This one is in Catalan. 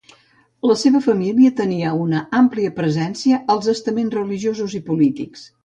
La seva família tenia una àmplia presència als estaments religiosos i polítics.